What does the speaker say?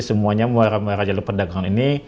semuanya muara muara jalur pendagang ini